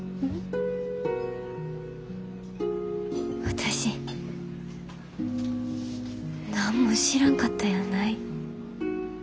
私何も知らんかったんやない。